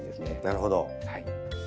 なるほど。